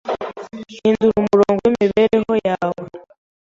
Hindura umurongo w’imibereho yawe